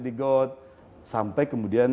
di got sampai kemudian